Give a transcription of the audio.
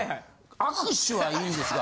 握手は良いんですが。